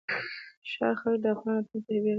د ښار خلک د افغانانو راتګ ته وېره لري.